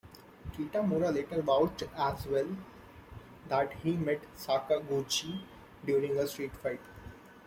Kitamura later vouched as well that he met Sakaguchi during a street fight.